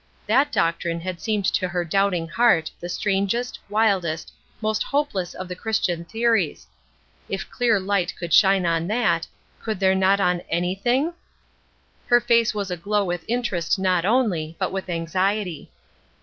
That doctrine had seemed to her doubting heart the strangest, wildest, most hopeless of the Christian theories. If clear light could shine on that, could there not on anything? Her face was aglow with interest not only, but with anxiety.